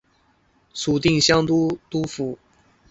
属定襄都督府。